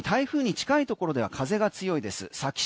特に台風に近いところでは風が強いです。